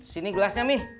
sini gelasnya mi